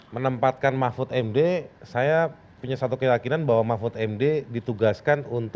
menempatkan mahfud md saya punya satu keyakinan bahwa mahfud md ditugaskan